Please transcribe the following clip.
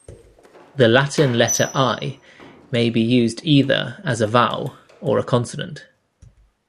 The Latin letter "i" may be used either as a vowel or a consonant.